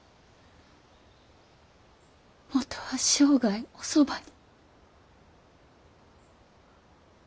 もとは生涯おそばに。